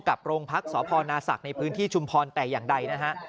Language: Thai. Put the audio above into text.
กับโรงพักษพนาศักดิ์ในพื้นที่ชุมพรแต่อย่างใดนะฮะ